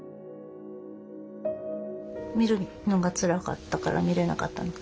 見るのがつらかったから見れなかった